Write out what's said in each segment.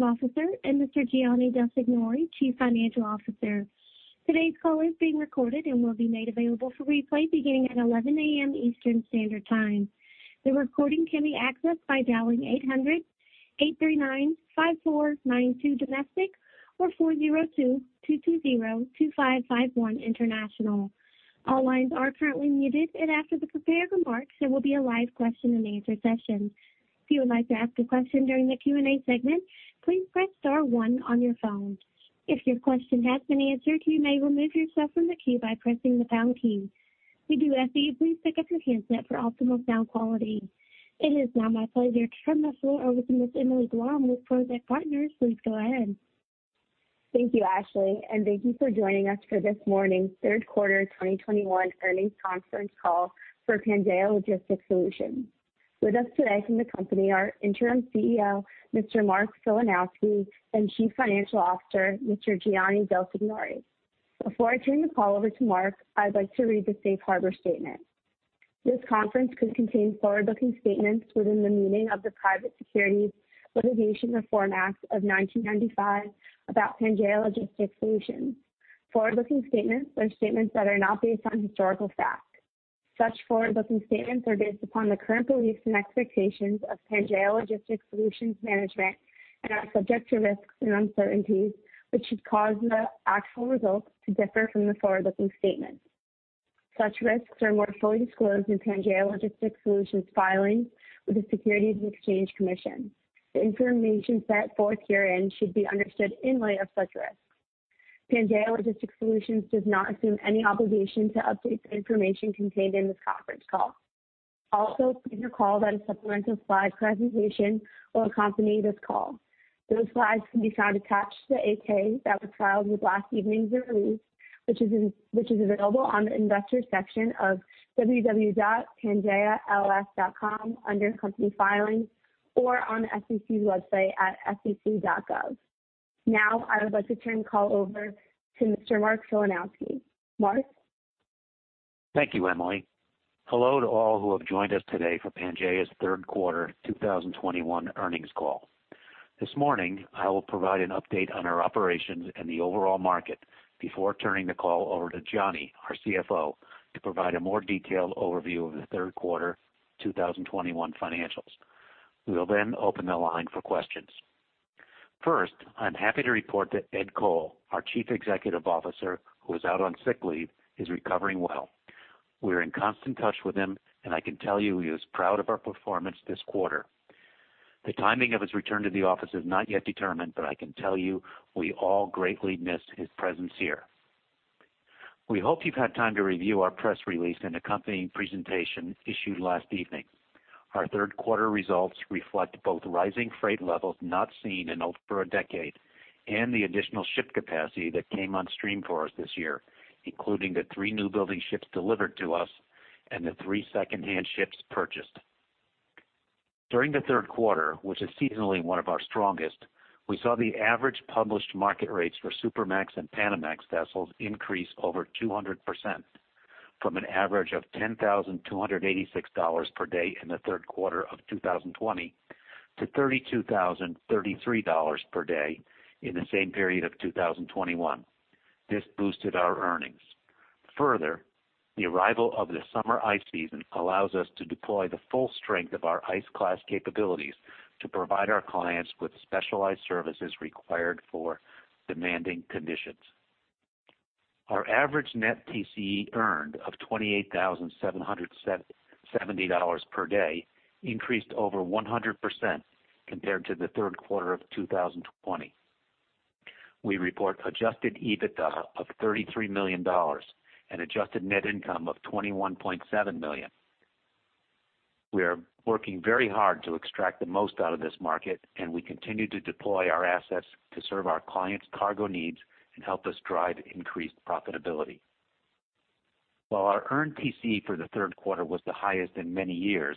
Officer and Mr. Gianni Del Signore, Chief Financial Officer. Today's call is being recorded and will be made available for replay beginning at 11:00 A.M. Eastern Standard Time. The recording can be accessed by dialing 800-839-5492 domestic or 402-220-2551 international. All lines are currently muted, and after the prepared remarks, there will be a live question-and-answer session. If you would like to ask a question during the Q&A segment, please press star one on your phone. If your question has been answered, you may remove yourself from the queue by pressing the pound key. We do ask that you please pick up your handset for optimal sound quality. It is now my pleasure to turn the floor over to Ms. Emily Blum with Prosek Partners. Please go ahead. Thank you, Ashley, and thank you for joining us for this morning's Third Quarter 2021 Earnings Conference Call for Pangaea Logistics Solutions. With us today from the company are Interim CEO Mr. Mark Filanowski and Chief Financial Officer Mr. Gianni Del Signore. Before I turn the call over to Mark, I'd like to read the safe harbor statement. This conference call could contain forward-looking statements within the meaning of the Private Securities Litigation Reform Act of 1995 about Pangaea Logistics Solutions. Forward-looking statements are statements that are not based on historical facts. Such forward-looking statements are based upon the current beliefs and expectations of Pangaea Logistics Solutions management and are subject to risks and uncertainties, which should cause the actual results to differ from the forward-looking statements. Such risks are more fully disclosed in Pangaea Logistics Solutions filings with the Securities and Exchange Commission. The information set forth herein should be understood in light of such risks. Pangaea Logistics Solutions does not assume any obligation to update the information contained in this conference call. Also, please recall that a supplemental slide presentation will accompany this call. Those slides can be found attached to the 8-K that was filed with last evening's release, which is available on the investor section of www.pangaea-ls.com under company filings or on the SEC's website at sec.gov. Now, I would like to turn the call over to Mr. Mark Filanowski. Mark? Thank you, Emily. Hello to all who have joined us today for Pangaea's Third Quarter 2021 Earnings Call. This morning, I will provide an update on our operations and the overall market before turning the call over to Gianni, our CFO, to provide a more detailed overview of the third quarter 2021 financials. We will then open the line for questions. First, I'm happy to report that Ed Coll, our Chief Executive Officer, who was out on sick leave, is recovering well. We are in constant touch with him, and I can tell you he is proud of our performance this quarter. The timing of his return to the office is not yet determined, but I can tell you we all greatly miss his presence here. We hope you've had time to review our press release and accompanying presentation issued last evening. Our third quarter results reflect both rising freight levels not seen in over a decade and the additional ship capacity that came on stream for us this year, including the three new building ships delivered to us and the three second-hand ships purchased. During the third quarter, which is seasonally one of our strongest, we saw the average published market rates for Supramax and Panamax vessels increase over 200% from an average of $10,286 per day in the third quarter of 2020 to $32,033 per day in the same period of 2021. This boosted our earnings. Further, the arrival of the summer ice season allows us to deploy the full strength of our ice-class capabilities to provide our clients with specialized services required for demanding conditions. Our average net TCE earned of $28,770 per day increased over 100% compared to the third quarter of 2020. We report adjusted EBITDA of $33 million and adjusted Net Income of $21.7 million. We are working very hard to extract the most out of this market, and we continue to deploy our assets to serve our clients' cargo needs and help us drive increased profitability. While our earned TCE for the third quarter was the highest in many years,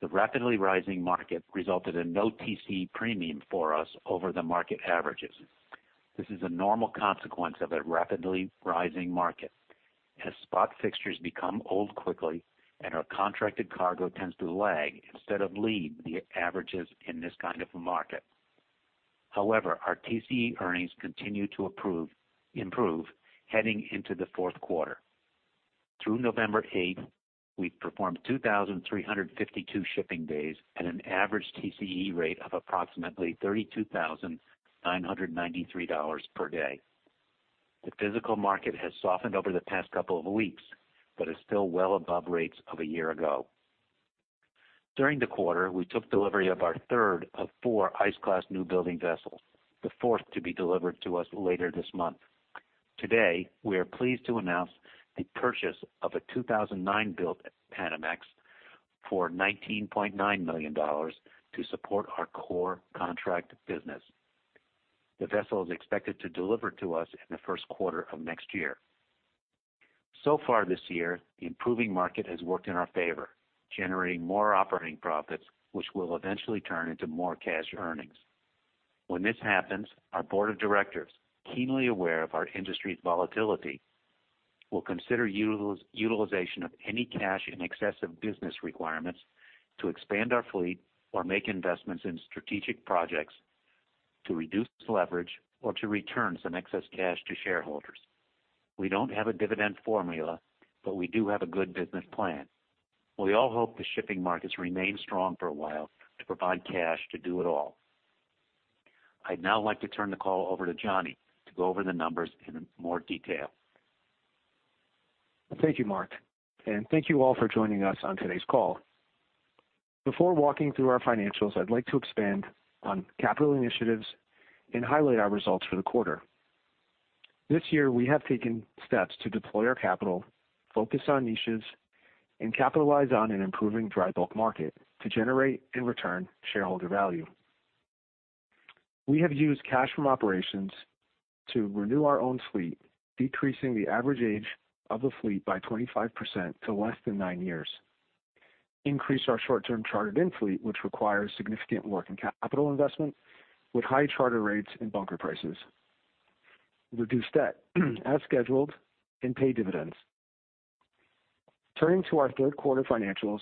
the rapidly rising market resulted in no TCE premium for us over the market averages. This is a normal consequence of a rapidly rising market, as spot fixtures become old quickly and our contracted cargo tends to lag instead of lead the averages in this kind of a market. However, our TCE earnings continue to improve heading into the fourth quarter. Through November 8th, we've performed 2,352 shipping days at an average TCE rate of approximately $32,993 per day. The physical market has softened over the past couple of weeks but is still well above rates of a year ago. During the quarter, we took delivery of our third of four ice-class new building vessels, the fourth to be delivered to us later this month. Today, we are pleased to announce the purchase of a 2009-built Panamax for $19.9 million to support our core contract business. The vessel is expected to deliver to us in the first quarter of next year. So far this year, the improving market has worked in our favor, generating more operating profits, which will eventually turn into more cash earnings. When this happens, our board of directors, keenly aware of our industry's volatility, will consider utilization of any cash in excess of business requirements to expand our fleet or make investments in strategic projects to reduce leverage or to return some excess cash to shareholders. We don't have a dividend formula, but we do have a good business plan. We all hope the shipping markets remain strong for a while to provide cash to do it all. I'd now like to turn the call over to Gianni to go over the numbers in more detail. Thank you, Mark, and thank you all for joining us on today's call. Before walking through our financials, I'd like to expand on capital initiatives and highlight our results for the quarter. This year, we have taken steps to deploy our capital, focus on niches, and capitalize on an improving dry bulk market to generate and return shareholder value. We have used cash from operations to renew our own fleet, decreasing the average age of the fleet by 25% to less than nine years, increased our short-term chartered-in fleet, which requires significant work and capital investment with high charter rates and bunker prices, reduced debt as scheduled, and paid dividends. Turning to our third quarter financials,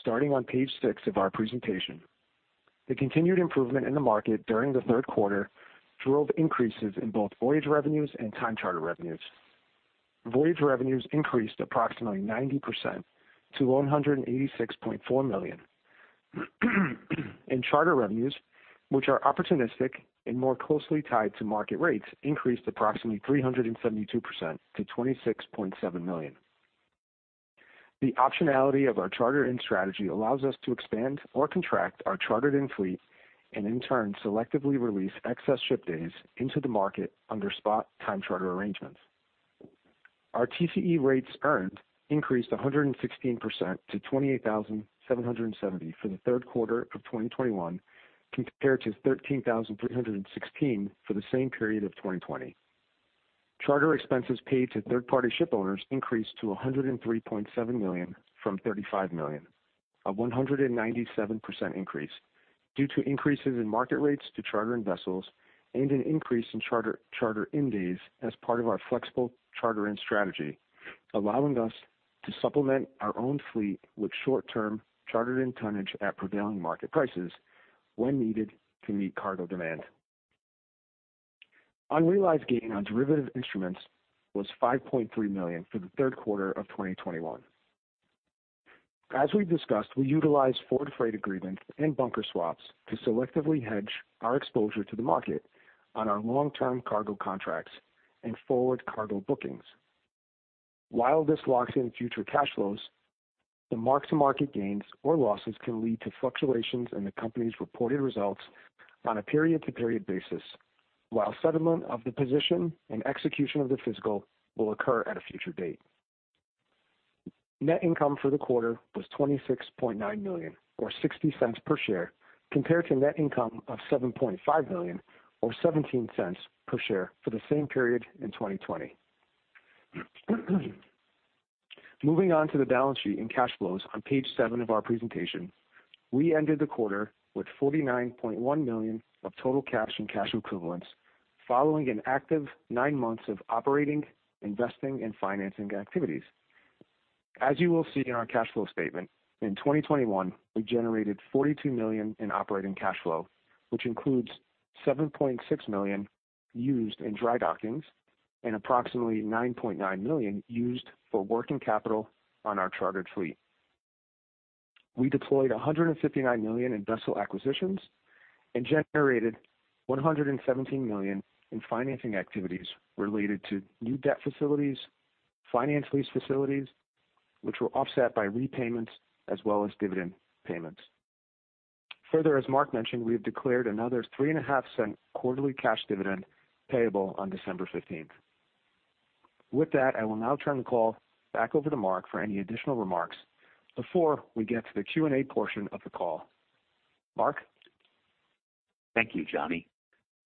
starting on page six of our presentation, the continued improvement in the market during the third quarter drove increases in both voyage revenues and time charter revenues. Voyage revenues increased approximately 90% to $186.4 million, and charter revenues, which are opportunistic and more closely tied to market rates, increased approximately 372% to $26.7 million. The optionality of our charter-in strategy allows us to expand or contract our chartered-in fleet and, in turn, selectively release excess ship days into the market under spot time charter arrangements. Our TCE rates earned increased 116% to $28,770 for the third quarter of 2021 compared to $13,316 for the same period of 2020. Charter expenses paid to third-party shipowners increased to $103.7 million from $35 million, a 197% increase due to increases in market rates to chartered vessels and an increase in chartered in days as part of our flexible charter-in strategy, allowing us to supplement our own fleet with short-term chartered in tonnage at prevailing market prices when needed to meet cargo demand. Unrealized gain on derivative instruments was $5.3 million for the third quarter of 2021. As we've discussed, we utilize forward freight agreements and bunker swaps to selectively hedge our exposure to the market on our long-term cargo contracts and forward cargo bookings. While this locks in future cash flows, the mark-to-market gains or losses can lead to fluctuations in the company's reported results on a period-to-period basis, while settlement of the position and execution of the fixture will occur at a future date. Net income for the quarter was $26.9 million, or $0.60 per share, compared to net income of $7.5 million, or $0.17 per share for the same period in 2020. Moving on to the balance sheet and cash flows on page seven of our presentation, we ended the quarter with $49.1 million of total cash and cash equivalents following an active nine months of operating, investing, and financing activities. As you will see in our cash flow statement, in 2021, we generated $42 million in operating cash flow, which includes $7.6 million used in dry dockings and approximately $9.9 million used for working capital on our chartered fleet. We deployed $159 million in vessel acquisitions and generated $117 million in financing activities related to new debt facilities, finance lease facilities, which were offset by repayments as well as dividend payments. Further, as Mark mentioned, we have declared another $0.035 quarterly cash dividend payable on December 15th. With that, I will now turn the call back over to Mark for any additional remarks before we get to the Q&A portion of the call. Mark? Thank you, Gianni.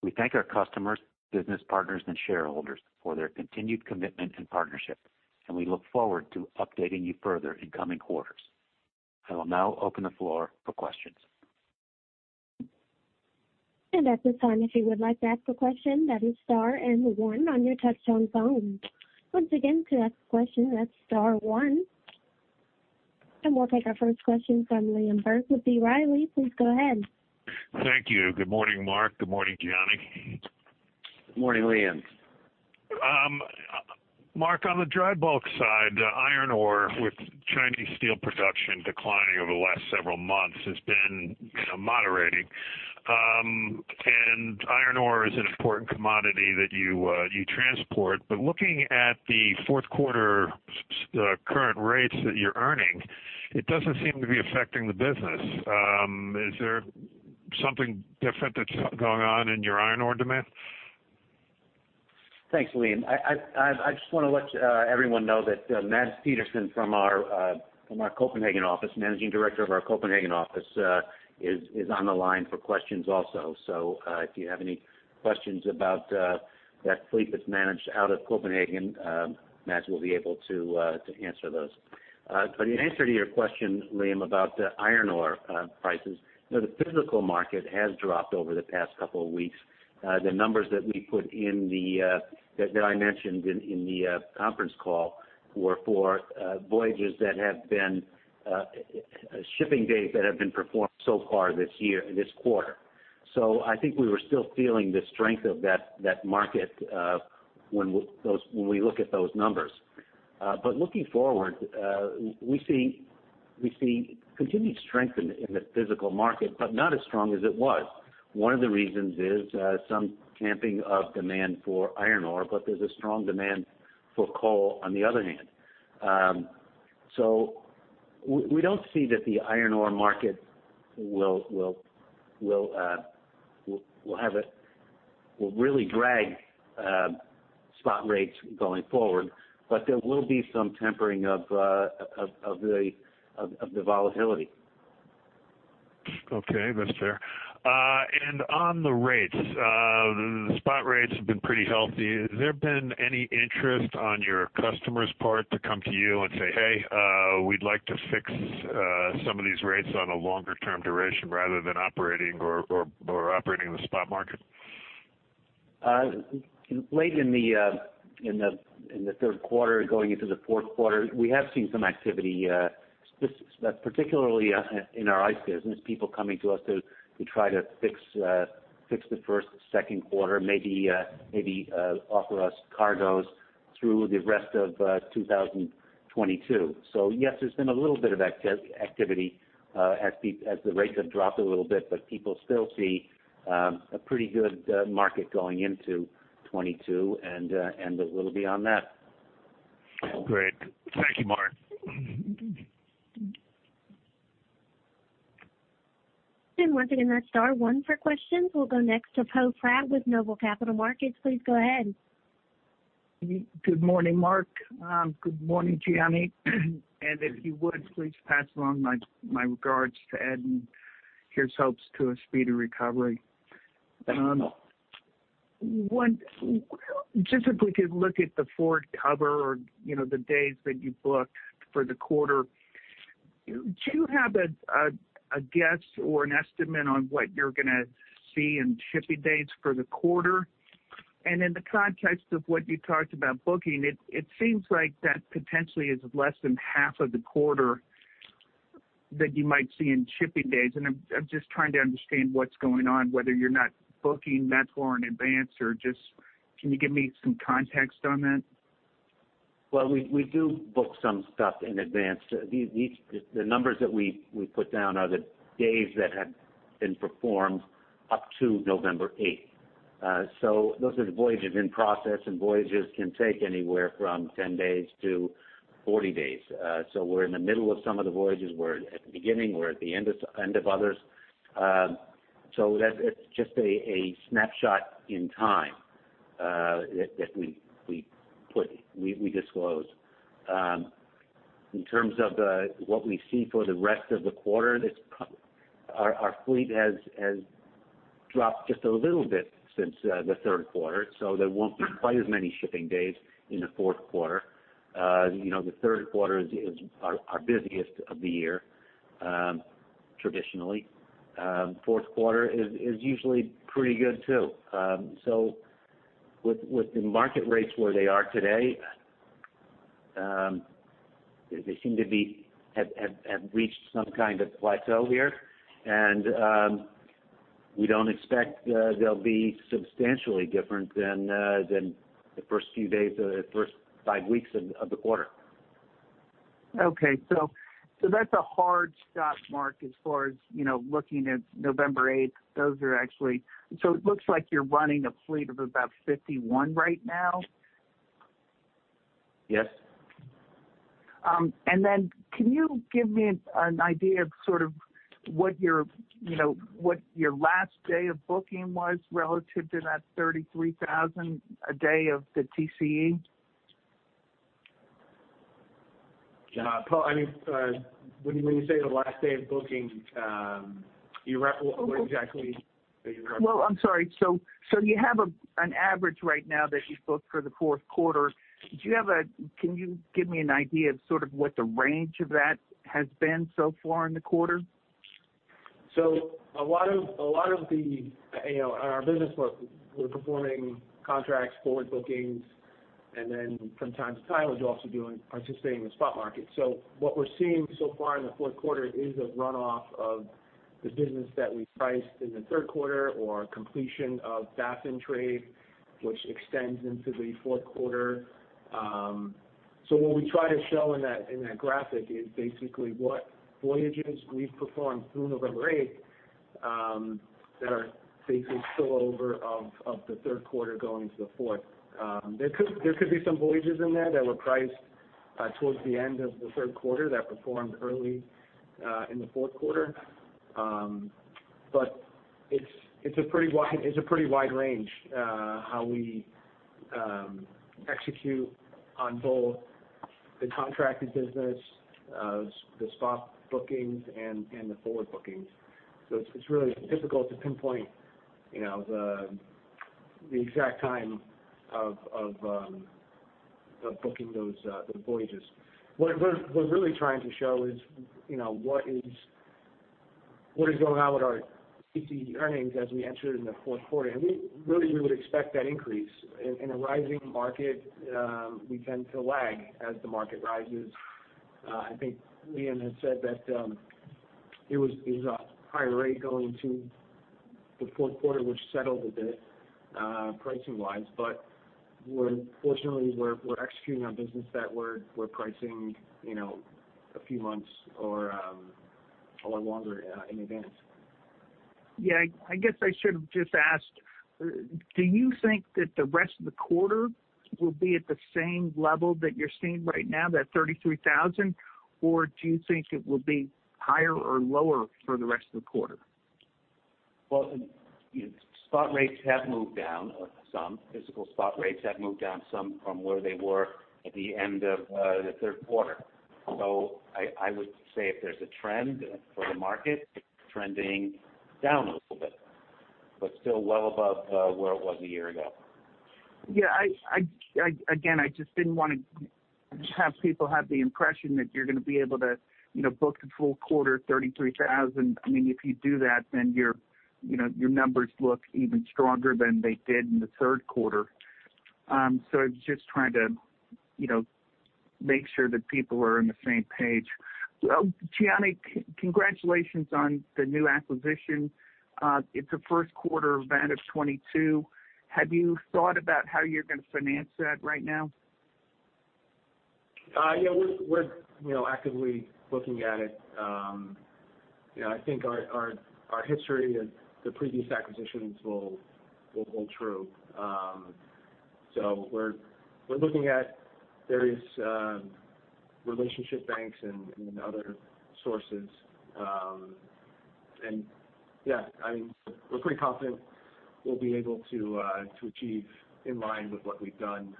We thank our customers, business partners, and shareholders for their continued commitment and partnership, and we look forward to updating you further in coming quarters. I will now open the floor for questions. At this time, if you would like to ask a question, that is star one on your touch-tone phone. Once again, to ask a question, that's star one. We'll take our first question from Liam Burke with B. Riley. Please go ahead. Thank you. Good morning, Mark. Good morning, Gianni. Good morning, Liam. Mark, on the dry bulk side, iron ore with Chinese steel production declining over the last several months has been moderating. And iron ore is an important commodity that you transport. But looking at the fourth quarter current rates that you're earning, it doesn't seem to be affecting the business. Is there something different that's going on in your iron ore demand? Thanks, Liam. I just want to let everyone know that Mads Petersen from our Copenhagen office, managing director of our Copenhagen office, is on the line for questions also. So if you have any questions about that fleet that's managed out of Copenhagen, Mads will be able to answer those. But in answer to your question, Liam, about iron ore prices, the physical market has dropped over the past couple of weeks. The numbers that we put in that I mentioned in the conference call were for voyages that have been shipping days that have been performed so far this quarter. So I think we were still feeling the strength of that market when we look at those numbers. But looking forward, we see continued strength in the physical market, but not as strong as it was. One of the reasons is some dampening of demand for iron ore, but there's a strong demand for coal on the other hand. So we don't see that the iron ore market will really drag spot rates going forward, but there will be some tempering of the volatility. Okay. That's fair. And on the rates, the spot rates have been pretty healthy. Has there been any interest on your customer's part to come to you and say, hey, we'd like to fix some of these rates on a longer-term duration rather than operating in the spot market? Late in the third quarter going into the fourth quarter, we have seen some activity, particularly in our ice business, people coming to us to try to fix the first, second quarter, maybe offer us cargoes through the rest of 2022. So yes, there's been a little bit of activity as the rates have dropped a little bit, but people still see a pretty good market going into 2022, and we'll be on that. Great. Thank you, Mark. Once again, that's star one for questions. We'll go next to Poe Fratt with NOBLE Capital Markets. Please go ahead. Good morning, Mark. Good morning, Gianni. And if you would, please pass along my regards to Ed and my hopes for a speedy recovery. Thank you. Just if we could look at the forward cover or the days that you booked for the quarter, do you have a guess or an estimate on what you're going to see in shipping days for the quarter? And in the context of what you talked about booking, it seems like that potentially is less than half of the quarter that you might see in shipping days. And I'm just trying to understand what's going on, whether you're not booking that far in advance or just can you give me some context on that? We do book some stuff in advance. The numbers that we put down are the days that have been performed up to November 8th. Those are the voyages in process, and voyages can take anywhere from 10 days to 40 days. We're in the middle of some of the voyages. We're at the beginning. We're at the end of others. That's just a snapshot in time that we disclose. In terms of what we see for the rest of the quarter, our fleet has dropped just a little bit since the third quarter, so there won't be quite as many shipping days in the fourth quarter. The third quarter is our busiest of the year, traditionally. Fourth quarter is usually pretty good too. So with the market rates where they are today, they seem to have reached some kind of plateau here, and we don't expect they'll be substantially different than the first few days or the first five weeks of the quarter. Okay. So that's a hard stop, Mark, as far as looking at November 8th. Those are actually so it looks like you're running a fleet of about 51 right now? Yes. Then can you give me an idea of sort of what your last day of booking was relative to that 33,000 a day of the TCE? I mean, when you say the last day of booking, what exactly are you referring to? I'm sorry. So you have an average right now that you've booked for the fourth quarter. Can you give me an idea of sort of what the range of that has been so far in the quarter? So a lot of our business, we're performing contracts, forward bookings, and then from time to time, we're also participating in the spot market. So what we're seeing so far in the fourth quarter is a runoff of the business that we priced in the third quarter or completion of Baffin trade, which extends into the fourth quarter. So what we try to show in that graphic is basically what voyages we've performed through November 8th that are basically spillover of the third quarter going into the fourth. There could be some voyages in there that were priced towards the end of the third quarter that performed early in the fourth quarter. But it's a pretty wide range how we execute on both the contracted business, the spot bookings, and the forward bookings. So it's really difficult to pinpoint the exact time of booking those voyages. What we're really trying to show is what is going on with our TCE earnings as we enter in the fourth quarter, and really, we would expect that increase. In a rising market, we tend to lag as the market rises. I think Liam had said that it was a higher rate going into the fourth quarter, which settled a bit pricing-wise, but fortunately, we're executing on business that we're pricing a few months or longer in advance. Yeah. I guess I should have just asked, do you think that the rest of the quarter will be at the same level that you're seeing right now, that 33,000, or do you think it will be higher or lower for the rest of the quarter? Spot rates have moved down some. Physical spot rates have moved down some from where they were at the end of the third quarter. I would say if there's a trend for the market, it's trending down a little bit, but still well above where it was a year ago. Yeah. Again, I just didn't want to have people have the impression that you're going to be able to book the full quarter, 33,000. I mean, if you do that, then your numbers look even stronger than they did in the third quarter. So I was just trying to make sure that people are on the same page. Well, Gianni, congratulations on the new acquisition. It's the first quarter of 2022. Have you thought about how you're going to finance that right now? Yeah. We're actively looking at it. I think our history of the previous acquisitions will hold true, so we're looking at various relationship banks and other sources, and yeah, I mean, we're pretty confident we'll be able to achieve in line with what we've done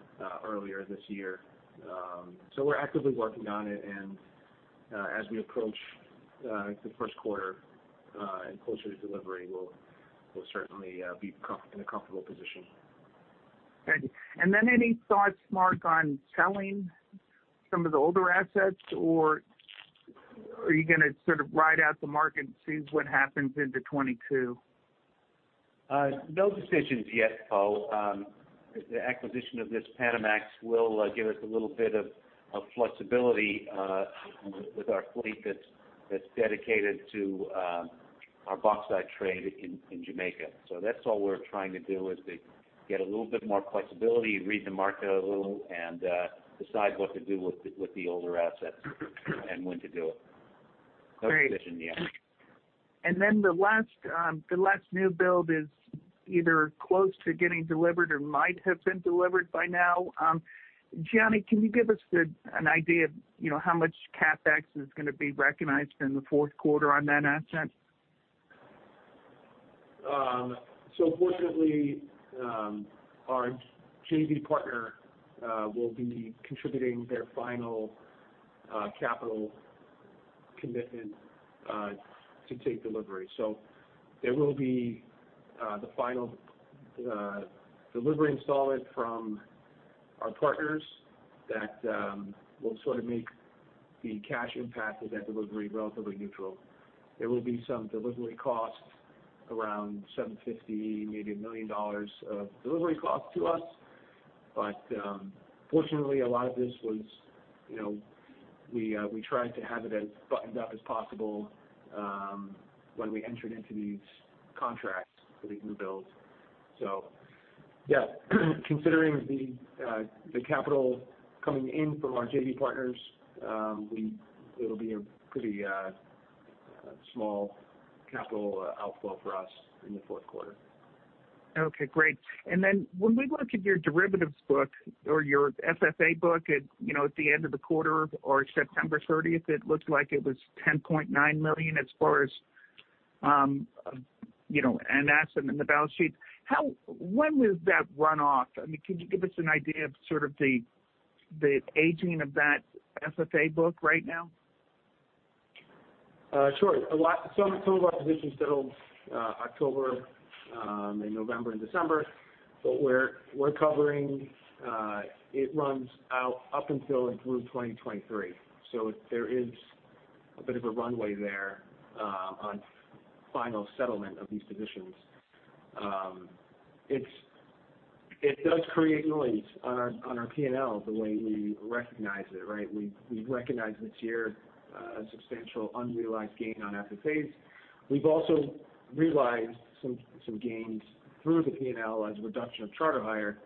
earlier this year, so we're actively working on it, and as we approach the first quarter and closer to delivery, we'll certainly be in a comfortable position. Any thoughts, Mark, on selling some of the older assets, or are you going to sort of ride out the market and see what happens into 2022? No decisions yet, Poe. The acquisition of this Panamax will give us a little bit of flexibility with our fleet that's dedicated to our bauxite trade in Jamaica. So that's all we're trying to do is to get a little bit more flexibility, read the market a little, and decide what to do with the older assets and when to do it. No decision yet. And then the last new build is either close to getting delivered or might have been delivered by now. Gianni, can you give us an idea of how much CapEx is going to be recognized in the fourth quarter on that asset? So fortunately, our JV partner will be contributing their final capital commitment to take delivery. So there will be the final delivery installment from our partners that will sort of make the cash impact of that delivery relatively neutral. There will be some delivery costs around $750, maybe $1 million of delivery costs to us. But fortunately, a lot of this was, we tried to have it as buttoned up as possible when we entered into these contracts for these new builds. So yeah, considering the capital coming in from our JV partners, it'll be a pretty small capital outflow for us in the fourth quarter. Okay. Great. And then when we look at your derivatives book or your FFA book at the end of the quarter or September 30th, it looked like it was $10.9 million as far as an asset in the balance sheet. When was that runoff? I mean, can you give us an idea of sort of the aging of that FFA book right now? Sure. Some of our positions settled October and November and December, but our coverage runs out up until and through 2023. So there is a bit of a runway there on final settlement of these positions. It does create noise on our P&L the way we recognize it, right? We've recognized this year substantial unrealized gain on FFAs. We've also realized some gains through the P&L as a reduction of charter hire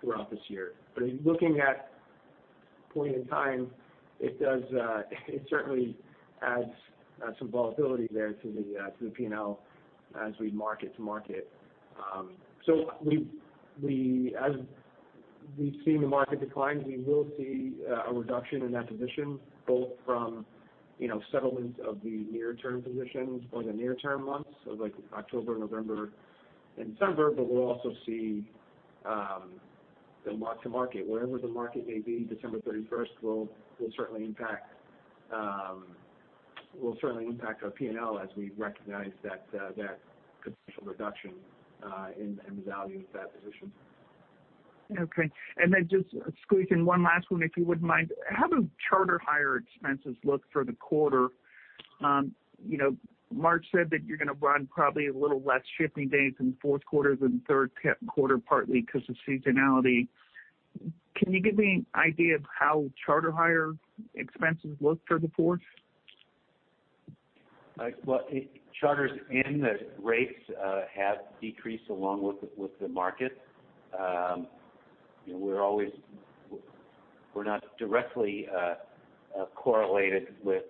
throughout this year. But looking at a point in time, it certainly adds some volatility there to the P&L as we mark to market. So as we've seen the market decline, we will see a reduction in that position, both from settlement of the near-term positions or the near-term months of October and November and December, but we'll also see the mark-to-market. Wherever the market may be, December 31st will certainly impact our P&L as we recognize that potential reduction in the value of that position. Okay. And then just squeezing one last one, if you wouldn't mind. How do charter hire expenses look for the quarter? Mark said that you're going to run probably a little less shipping days in the fourth quarter than the third quarter, partly because of seasonality. Can you give me an idea of how charter hire expenses look for the fourth? Charters and the rates have decreased along with the market. We're not directly correlated with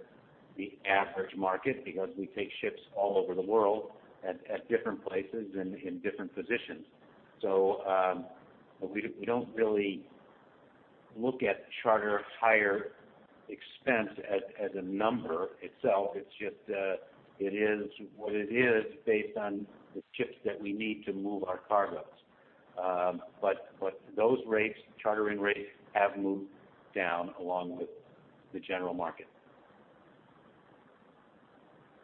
the average market because we take ships all over the world at different places and in different positions. So we don't really look at charter hire expense as a number itself. It's just it is what it is based on the ships that we need to move our cargoes. But those rates, chartering rates, have moved down along with the general market.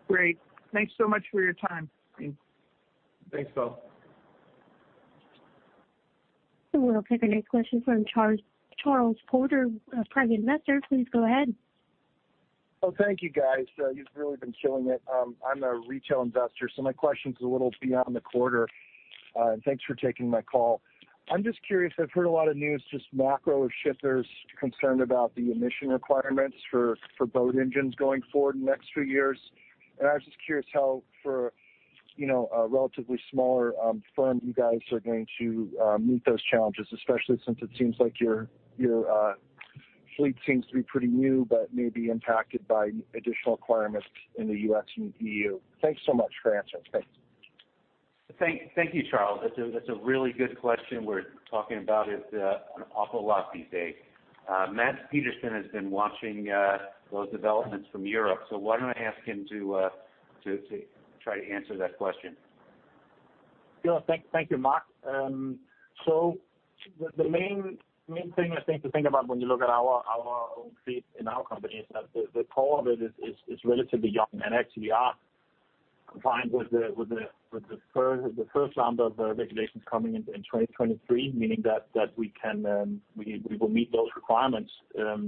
Great. Thanks so much for your time. Thanks, Poe. We'll take a next question from Charles Porter, private investor. Please go ahead. Well, thank you, guys. You've really been killing it. I'm a retail investor, so my question's a little beyond the quarter. And thanks for taking my call. I'm just curious. I've heard a lot of news, just macro shippers concerned about the emissions requirements for boat engines going forward in the next few years. And I was just curious how, for a relatively smaller firm, you guys are going to meet those challenges, especially since it seems like your fleet seems to be pretty new but may be impacted by additional requirements in the U.S. and EU. Thanks so much for answering. Thanks. Thank you, Charles. That's a really good question. We're talking about it an awful lot these days. Mads Petersen has been watching those developments from Europe, so why don't I ask him to try to answer that question? Yeah. Thank you, Mark, so the main thing I think to think about when you look at our own fleet in our company is that the core of it is relatively young, and actually, we are compliant with the first round of regulations coming in 2023, meaning that we will meet those requirements, but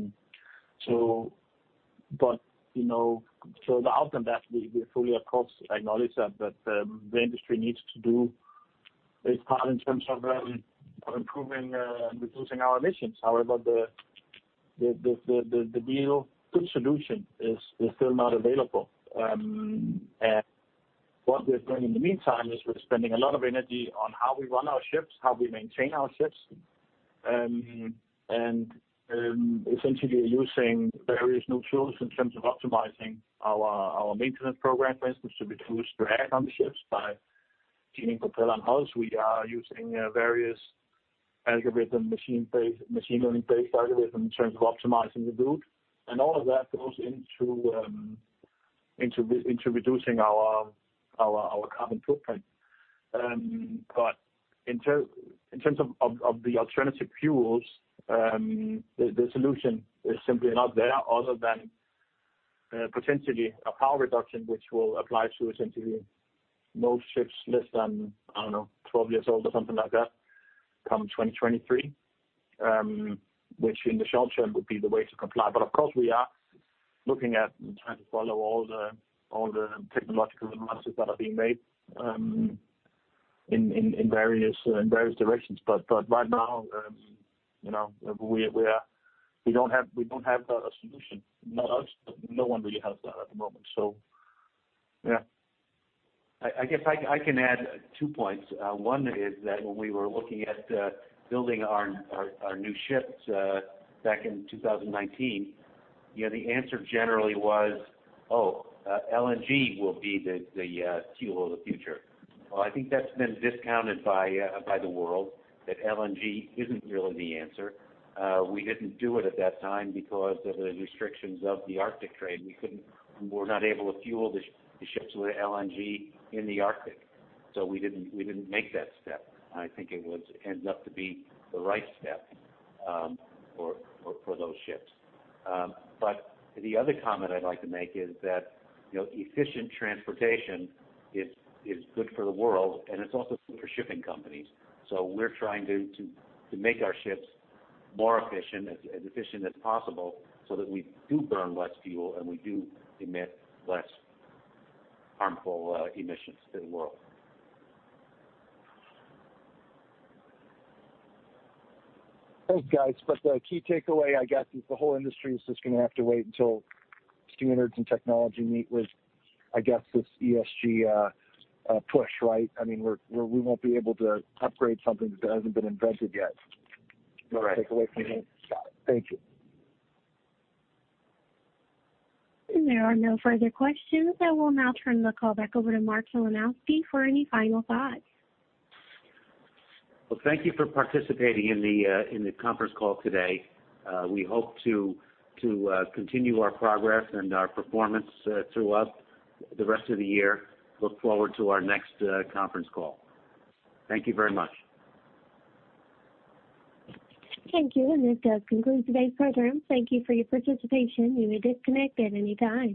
to the point that we fully, of course, acknowledge that the industry needs to do its part in terms of improving and reducing our emissions, however, the ideal solution is still not available, and what we're doing in the meantime is we're spending a lot of energy on how we run our ships, how we maintain our ships, and essentially using various new tools in terms of optimizing our maintenance program, for instance, to reduce drag on the ships by tuning propeller and hulls. We are using various algorithms, machine learning-based algorithms in terms of optimizing the route, and all of that goes into reducing our carbon footprint. But in terms of the alternative fuels, the solution is simply not there other than potentially a power reduction, which will apply to essentially most ships less than, I don't know, 12 years old or something like that come 2023, which in the short term would be the way to comply. But of course, we are looking at and trying to follow all the technological advances that are being made in various directions. But right now, we don't have a solution. Not us, but no one really has that at the moment. So yeah. I guess I can add two points. One is that when we were looking at building our new ships back in 2019, the answer generally was, oh, LNG will be the fuel of the future. Well, I think that's been discounted by the world, that LNG isn't really the answer. We didn't do it at that time because of the restrictions of the Arctic trade. We were not able to fuel the ships with LNG in the Arctic. So we didn't make that step. I think it ends up to be the right step for those ships. But the other comment I'd like to make is that efficient transportation is good for the world, and it's also good for shipping companies. So we're trying to make our ships more efficient, as efficient as possible, so that we do burn less fuel and we do emit less harmful emissions to the world. Thanks, guys, but the key takeaway, I guess, is the whole industry is just going to have to wait until the screws turn and technology meet with, I guess, this ESG push, right? I mean, we won't be able to upgrade something that hasn't been invented yet. Takeaway from here. Thank you. If there are no further questions, I will now turn the call back over to Mark Filanowski for any final thoughts. Thank you for participating in the conference call today. We hope to continue our progress and our performance throughout the rest of the year. Look forward to our next conference call. Thank you very much. Thank you. And this does conclude today's program. Thank you for your participation. You may disconnect at any time.